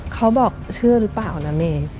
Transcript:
เขาบอกเชื่อหรือเปล่านะเมย์